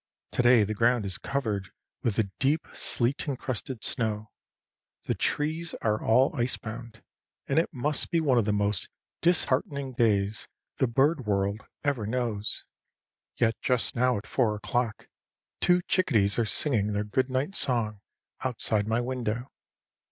Today the ground is covered with a deep, sleet encrusted snow; the trees are all icebound, and it must be one of the most disheartening days the bird world ever knows, yet just now, at four o'clock, two chickadees are singing their good night song outside my window.